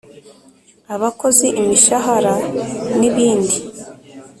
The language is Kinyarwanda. abakozi imishahara n ibindi